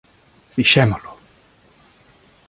Fixémolo.